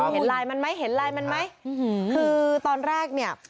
เห็นลายมันไหมคือตอนแรกเนี่ย